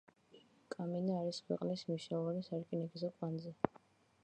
კამინა არის ქვეყნის მნიშვნელოვანი სარკინიგზო კვანძი.